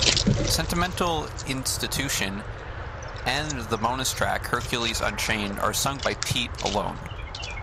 "Sentimental Institution" and the bonus track "Hercules Unchained" are sung by Pete alone.